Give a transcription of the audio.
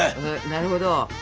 なるほど。